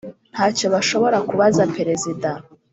nta cyo bashobora kubaza perezida